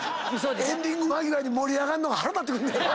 エンディング間際に盛り上がんのが腹立ってくんねやろ。